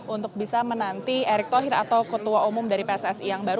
untuk bisa menanti erick thohir atau ketua umum dari pssi yang baru